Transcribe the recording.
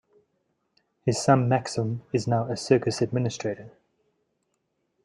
His son, Maxim, is now a circus administrator.